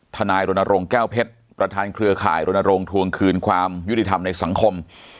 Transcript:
ทนายรณรงค์แก้วเพชรประธานเครือข่ายรณรงค์ทวงคืนความยุติธรรมในสังคม